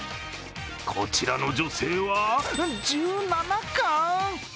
こちらの女性は１７缶。